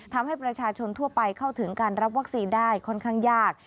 ทำให้ประชาชนทั่วไปเข้าถึงการรับวัคซีนได้ค่อนข้างยาก